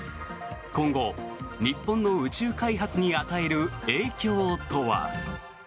今後、日本の宇宙開発に与える影響とは。